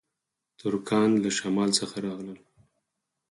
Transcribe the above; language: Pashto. ترکان له شمال څخه راغلل